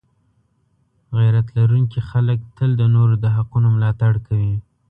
غیرت لرونکي خلک تل د نورو د حقونو ملاتړ کوي.